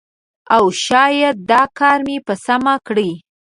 او شاید دا کار مې په سمه کړی